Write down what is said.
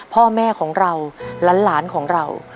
พ่อแม่ของเราหลานของเรา